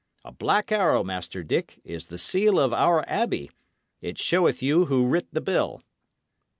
A black arrow, Master Dick, is the seal of our abbey; it showeth you who writ the bill."